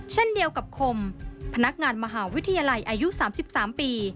เช่นเดียวกับคมพนักงานมหาวิทยาลัยอายุ๓๓ปี